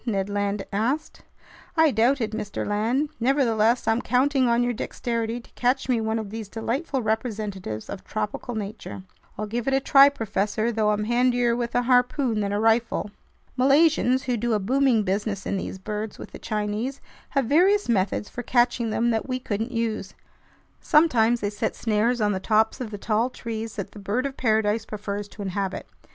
Ned Land asked. "I doubt it, Mr. Land. Nevertheless, I'm counting on your dexterity to catch me one of these delightful representatives of tropical nature!" "I'll give it a try, professor, though I'm handier with a harpoon than a rifle." Malaysians, who do a booming business in these birds with the Chinese, have various methods for catching them that we couldn't use. Sometimes they set snares on the tops of the tall trees that the bird of paradise prefers to inhabit.